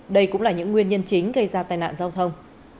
đây cũng là những nguyên nhân chính gây ra tai nạn giao thông